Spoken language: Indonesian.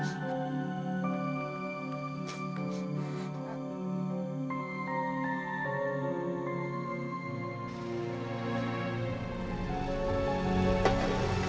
cepet pesin doang